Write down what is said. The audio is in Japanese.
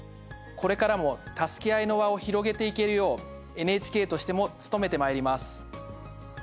これからも「たすけあい」の輪を広げていけるようＮＨＫとしても努めてまいります。